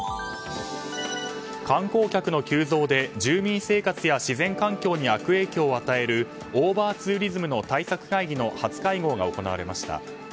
観光客の急増で住民生活や自然環境に悪影響を与えるオーバーツーリズムの対策会議の初会合が行われました。